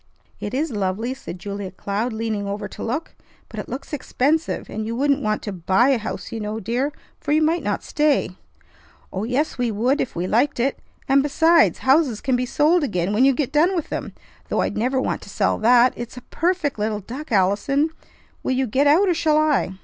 "It is lovely!" said Julia Cloud, leaning over to look. "But it looks expensive, and you wouldn't want to buy a house, you know, dear; for you might not stay." "Oh, yes, we would if we liked it. And, besides, houses can be sold again when you get done with them, though I'd never want to sell that! It's a perfect little duck. Allison, will you get out or shall I?"